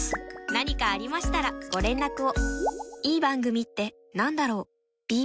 何かありましたらご連絡を。